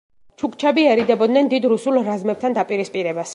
ჩუქჩები ერიდებოდნენ დიდ რუსულ რაზმებთან დაპირისპირებას.